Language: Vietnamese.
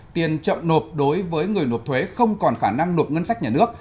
tiền chậm nộp đối với người nộp thuế không còn khả năng nộp ngân sách nhà nước